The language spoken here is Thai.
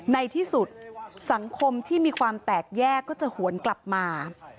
ในที่สุดสังคมที่มีความแตกแยกก็จะหวนกลับมา